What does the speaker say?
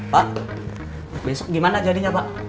pak besok gimana jadinya pak